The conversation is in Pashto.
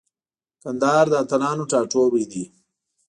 کندهار د اتلانو ټاټوبی دی.